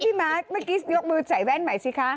มาร์ทเมื่อกี้ยกมือใส่แว่นใหม่สิคะ